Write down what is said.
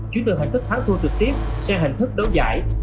chuyển từ hình thức thắng thua trực tiếp sang hình thức đấu giải